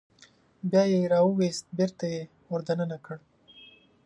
بیا یې راوویست بېرته یې ور دننه کړ.